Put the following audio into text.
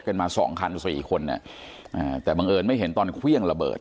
กันมาสองคันสีคนนี้แต่บังเอิญไม่เห็นตอนเควี้ยงระเบิด